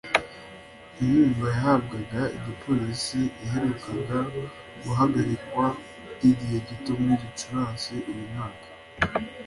Inkunga yahabwaga igipolisi yaherukaga guhagarikwa by’igihe gito muri Gicurasi uyu mwaka